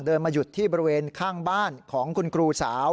มาหยุดที่บริเวณข้างบ้านของคุณครูสาว